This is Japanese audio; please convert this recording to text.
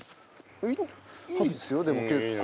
いいですよでも結構。